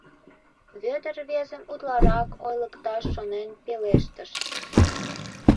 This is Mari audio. — Вӧдыр рвезым утларак ойлыкташ шонен пелештыш.